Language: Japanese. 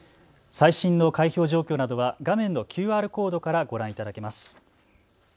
最新の開票状況などは画面のＱＲコードからご覧いただけます。